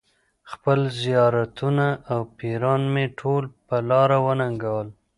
خپل زیارتونه او پیران مې ټول په لاره وننګول.